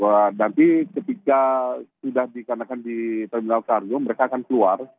bahwa nanti ketika sudah dikarenakan di terminal kargo mereka akan keluar